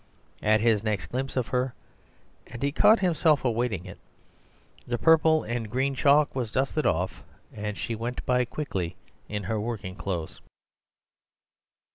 At his next glimpse of her (and he caught himself awaiting it) the purple and green chalk was dusted off, and she went by quickly in her working clothes.